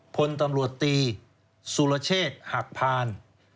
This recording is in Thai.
พลตำรวจตีสุรเชษฐ์หักพาน